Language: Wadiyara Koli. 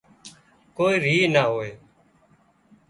ڪوئي ريه نا هوئي